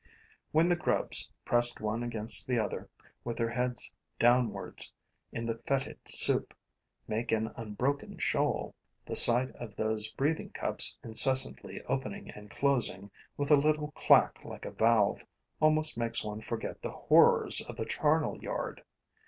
When the grubs, pressed one against the other, with their heads downwards in the fetid soup, make an unbroken shoal, the sight of those breathing cups incessantly opening and closing, with a little clack like a valve, almost makes one forget the horrors of the charnel yard.